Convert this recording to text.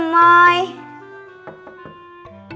gemoy udah bangun belum